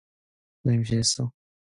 너 임신했어?